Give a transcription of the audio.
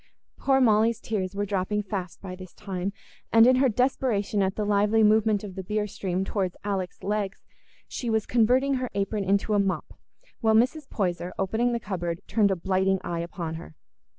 Poor Molly's tears were dropping fast by this time, and in her desperation at the lively movement of the beer stream towards Alick's legs, she was converting her apron into a mop, while Mrs. Poyser, opening the cupboard, turned a blighting eye upon her.